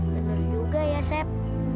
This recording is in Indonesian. bener juga ya sep